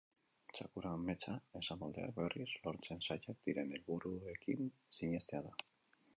Txakur-ametsa esamoldeak, berriz, lortzen zailak diren helburuekin sinestea da.